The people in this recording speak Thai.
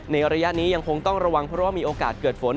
ระยะนี้ยังคงต้องระวังเพราะว่ามีโอกาสเกิดฝน